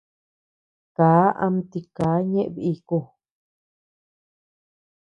Kaa ama tika ñeʼe biku.